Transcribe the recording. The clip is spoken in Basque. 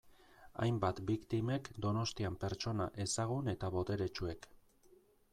Hainbat biktimek Donostian pertsona ezagun eta boteretsuek.